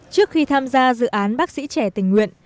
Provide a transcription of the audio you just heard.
trước khi tham gia dự án bác sĩ trẻ tình nguyện